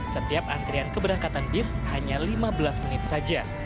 setiap antrian keberangkatan bis hanya lima belas menit saja